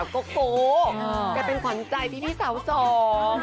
ก็เป็นขวัญใจพี่สาวสอง